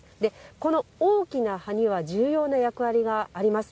この大きな葉には重要な役割があります。